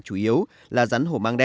chủ yếu là rắn hổ mang đen